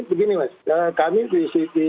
begini mas kami di